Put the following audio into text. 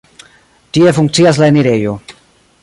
Tie funkcias la enirejo.